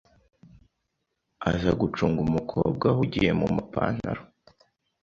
Aza gucunga umukobwa ahugiye mu mapantaro